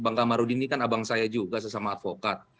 bangka marudini kan abang saya juga sesama advokat